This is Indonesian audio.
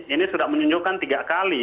ini sudah menunjukkan tiga kali